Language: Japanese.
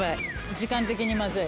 時間的にまずい。